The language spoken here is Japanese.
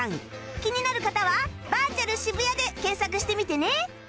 気になる方は「バーチャル渋谷」で検索してみてね